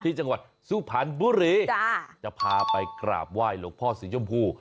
จังหวัดสุพรรณบุรีจะพาไปกราบไหว้หลวงพ่อสีชมพู